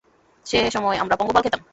সে সময় আমরা পঙ্গপাল খেতাম।